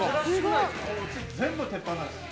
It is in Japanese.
うち全部鉄板なんです。